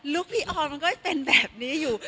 พี่ออนมันก็เป็นแบบนี้อยู่